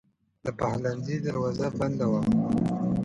د پخلنځي دروازه بنده وه.